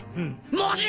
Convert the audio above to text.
マジ！？